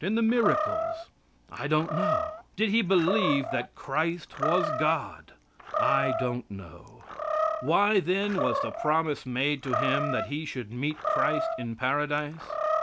In the miracles? I don't know. Did he believe that Christ was God? I don't know. Why, then, was the promise made to him that he should meet Christ in Paradise.